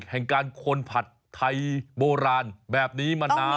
แห่งการคนผัดไทยโบราณแบบนี้มานาน